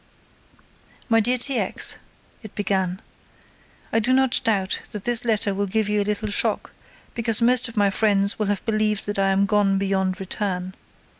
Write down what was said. "My dear T. X.," it began, "I do not doubt that this letter will give you a little shock, because most of my friends will have believed that I am gone beyond return.